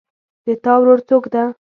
د تا ورور څوک ده